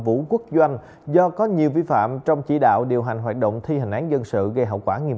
vũ quốc doanh do có nhiều vi phạm trong chỉ đạo điều hành hoạt động thi hành án dân sự gây hậu quả nghiêm